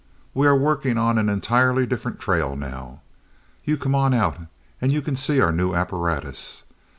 We are working on an entirely different trail now. You come on out, and you can see our new apparatus.